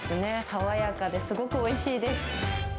爽やかで、すごくおいしいです。